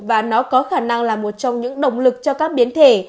và nó có khả năng là một trong những động lực cho các biến thể